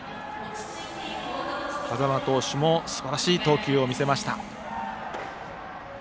風間投手もすばらしい投球を見せました。